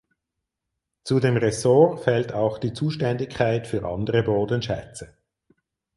Zu dem Ressort fällt auch die Zuständigkeit für andere Bodenschätze.